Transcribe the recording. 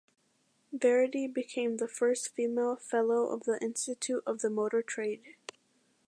Verity became the first female Fellow of the Institute of the Motor Trade.